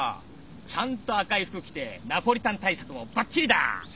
ちゃんと赤いふくきてナポリタンたいさくもばっちりだ！